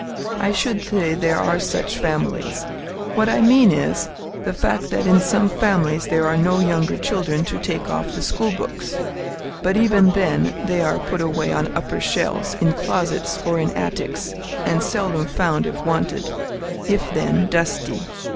I should say there are such families. What I mean is, the fact that in some families there are no younger children to take off the school books. But even then they are put away on upper shelves, in closets or in attics, and seldom found if wanted, if then, dusty.